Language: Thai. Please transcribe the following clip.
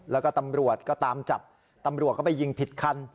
แล้วก็ตำรวจก็ตามจับตำรวจก็ไปยิงผิดคัน